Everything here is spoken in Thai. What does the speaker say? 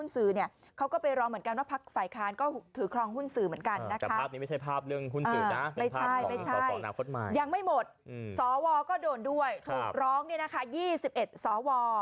สวก็โดนด้วยถูกร้องเนี่ยนะคะ๒๑สว